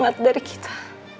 bukan hamat dari kita